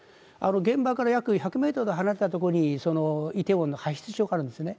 現場から約１００ｍ離れたところにイテウォンの派出所があるんですね。